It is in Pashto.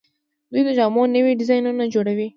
دوی د جامو نوي ډیزاینونه جوړوي.